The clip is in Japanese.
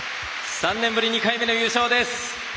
３年ぶり２回目の優勝です。